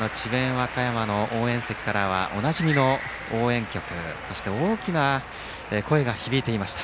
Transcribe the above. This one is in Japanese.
和歌山の応援席からはおなじみの応援曲そして大きな声が響いていました。